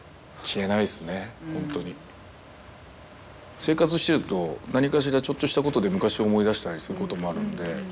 生活してると何かしらちょっとしたことで昔を思い出したりすることもあるので。